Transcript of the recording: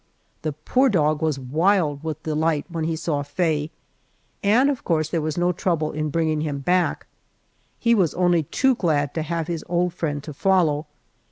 The poor dog was wild with delight when he saw Faye, and of course there was no trouble in bringing him back; he was only too glad to have his old friend to follow.